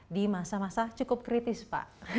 di masa masa cukup kritis pak